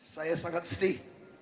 saya sangat sedih